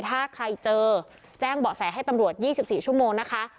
ถ้าใครเจอแจ้งเบาะแสให้ตำรวจ๒๔ชั่วโมงนะคะ